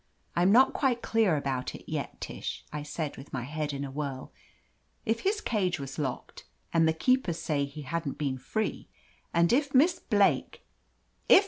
"I'm not quite clear about it yet, Tish," I said, with my head in a whirl. "If his cage was locked, and the keepers say he hadn't been free, and if Miss Blake —'* "If!